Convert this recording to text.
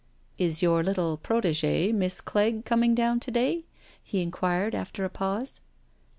" Is your little prot6gde. Miss Clegg, coming down to day?" he inquired, after a pause.